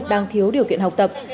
đang thiếu điều kiện học tập